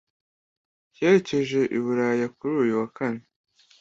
Yerekeje iburaya kuri uyu wa kane